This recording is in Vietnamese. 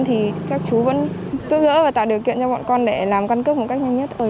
thì các chú vẫn giúp đỡ và tạo điều kiện cho bọn con để làm căn cước một cách nhanh nhất